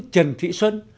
trần thị xuân